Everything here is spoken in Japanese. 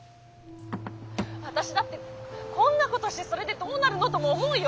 「私だってこんなことしてそれでどうなるのとも思うよ。